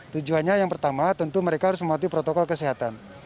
tujuannya yang pertama tentu mereka harus mematuhi protokol kesehatan